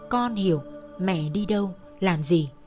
con hiểu mẹ đi đâu làm gì